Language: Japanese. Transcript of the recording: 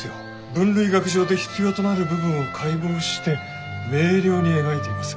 分類学上で必要となる部分を解剖して明瞭に描いています。